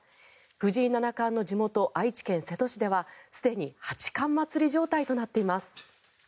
藤井七冠の地元・愛知県瀬戸市ではすでに八冠祭り状態となっています。